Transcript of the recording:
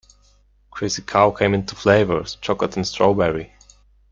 Crazy Cow came in two flavors, chocolate and strawberry.